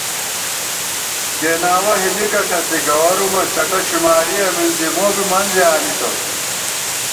گېناوَہ ہِلِکہ ݭڅی گوَرُومہ چٹہ شمارِیَہ مِنزی، مو بی منزے آنِتون